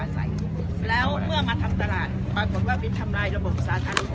อ่าระบบไวท์ถนนเขาเทมันคนไอ้แม่แม่แม่แม่แม่